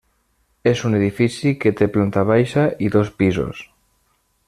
És un edifici que té planta baixa i dos pisos.